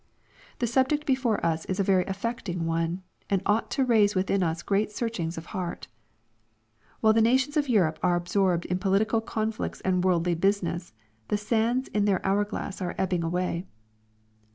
The subject before us is a very affecting one, and ought to raise within us great searehings of heart. While the nations of Europe are absorbed in political conflicts and worldly business, th« sanids in their hour glass are ebbing away.